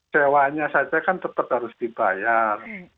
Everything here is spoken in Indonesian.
sewanya saja kan tetap harus dibayar